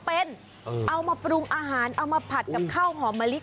เอามาปรุงอาหารเอามาผัดกับข้าวหอมมะลิ